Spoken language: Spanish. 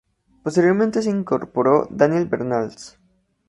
Posteriormente se incorporó Daniel Bernales.